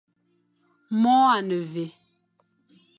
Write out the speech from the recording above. Môr a ne mvè.